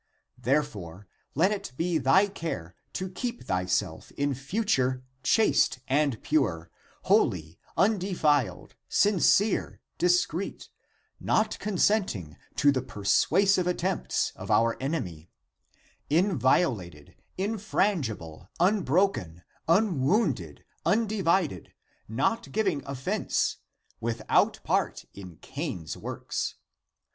Therefore, let it be thy care to keep thy self in future chaste and pure, holy, undefiled, sincere, discreet, not consenting to the persuasive attempts of our enemy, inviolated, infrangible, un broken, unwounded, undivided, not giving offense, without part in Cain's works!